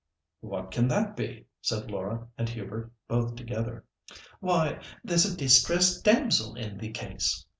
"What can that be?" said Laura and Hubert both together. "Why! there's a distressed damsel in the case.